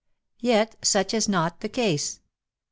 Yet such is not the case.